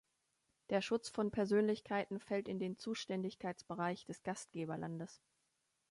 Der Schutz von Persönlichkeiten fällt in den Zuständigkeitsbereich des Gastgeberlandes.